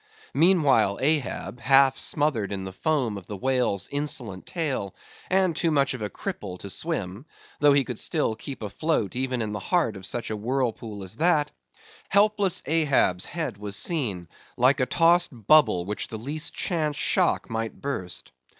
Meanwhile Ahab half smothered in the foam of the whale's insolent tail, and too much of a cripple to swim,—though he could still keep afloat, even in the heart of such a whirlpool as that; helpless Ahab's head was seen, like a tossed bubble which the least chance shock might burst.